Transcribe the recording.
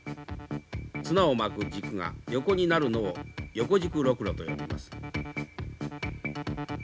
綱を巻く軸が横になるのを横軸ロクロと呼びます。